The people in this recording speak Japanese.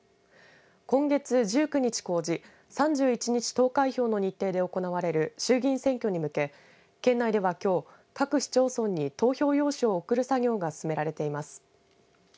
今月１９日公示３１日投開票の日程で行われる衆議院選挙に向け県内では、きょう各市町村に投票用紙を送る作業が進められています。